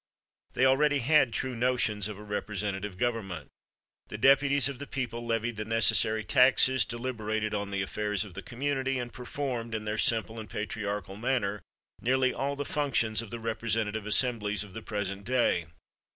They already had true notions of a representative government. The deputies of the people levied the necessary taxes, deliberated on the affairs of the community, and performed, in their simple and patriarchal manner, nearly all the functions of the representative assemblies of the present day.